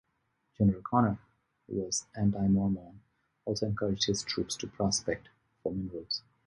General Connor, who was anti-Mormon, also encouraged his troops to prospect for minerals.